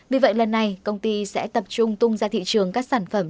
vì vậy lần này công ty sẽ tập trung tung ra thị trường các sản phẩm